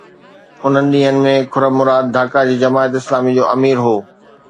انهن ڏينهن ۾ خرم مراد ڍاڪا جي جماعت اسلامي جو امير هو.